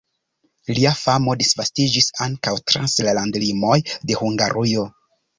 Lia famo disvastiĝis ankaŭ trans la landlimoj de Hungarujo.